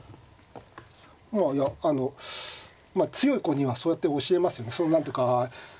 まあいやあのまあ強い子にはそうやって教えますよね。